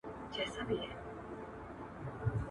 دا شورا به د سولي پرېکړه وکړي.